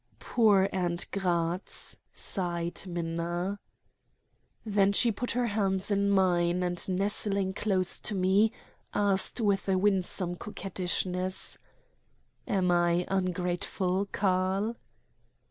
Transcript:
"Poor aunt Gratz!" sighed Minna. Then she put her hands in mine, and, nestling close to me, asked with a winsome coquettishness: "Am I ungrateful, Karl?"